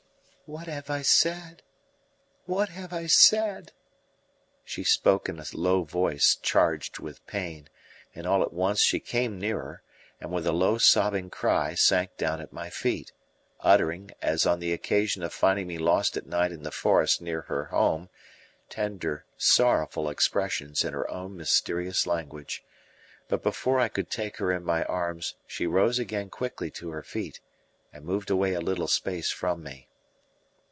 "What have I said? What have I said?" She spoke in a low voice charged with pain, and all at once she came nearer, and with a low, sobbing cry sank down at my feet, uttering, as on the occasion of finding me lost at night in the forest near her home, tender, sorrowful expressions in her own mysterious language. But before I could take her in my arms she rose again quickly to her feet and moved away a little space from me.